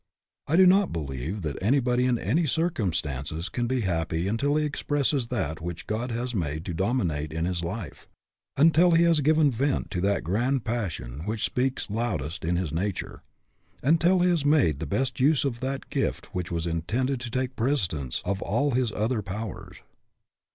I do not believe that anybody in any circum stances can be happy until he expresses that which God has made to dominate in his life; until he has given vent to that grand passion which speaks loudest in his nature; until he has made the best use of that gift which was intended to take precedence of all his other powers.